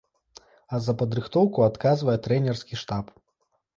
А за падрыхтоўку адказвае трэнерскі штаб.